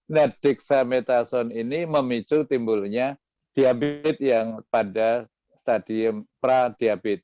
nah dexamethasone ini memicu timbulnya diabetes yang pada stadium pradiabetes